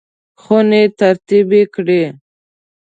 خونې ترتیب کړئ